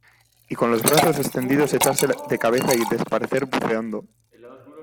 y con los brazos extendidos echarse de cabeza y desaparecer buceando.